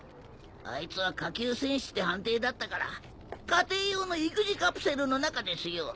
あいつは下級戦士って判定だったから家庭用の育児カプセルの中ですよ。